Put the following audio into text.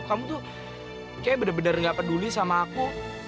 kamu tuh kayak benar benar gak peduli sama aku